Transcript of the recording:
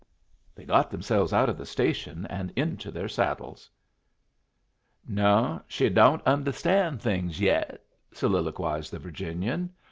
They got themselves out of the station and into their saddles. "No, she don't understand things yet," soliloquized the Virginian.